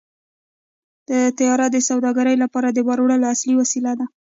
طیاره د سوداګرۍ لپاره د بار وړلو اصلي وسیله ده.